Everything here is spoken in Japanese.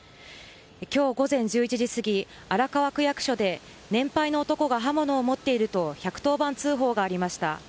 今日午前１１時過ぎ荒川区役所で年輩の男が刃物を持っていると１１０番通報がありました。